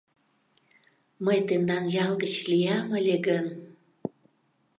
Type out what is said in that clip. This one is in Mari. — Мый тендан ял гыч лиям ыле гын...